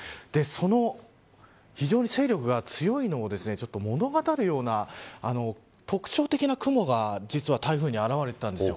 その非常に勢力が強いのを物語るような特徴的な雲が実は、台風に現れていたんです。